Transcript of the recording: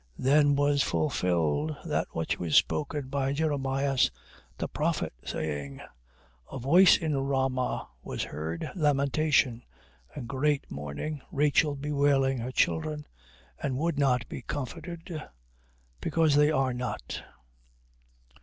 2:17. Then was fulfilled that which was spoken by Jeremias the prophet, saying: 2:18. A voice in Rama was heard, lamentation and great mourning; Rachel bewailing her children, and would not be comforted, because they are not.